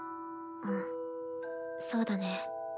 うんそうだね。